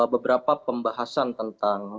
beberapa pembahasan tentang